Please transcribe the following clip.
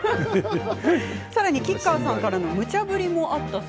さらには、吉川さんからのむちゃ振りも。